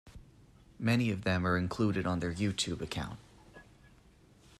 Many of them are included on their YouTube account.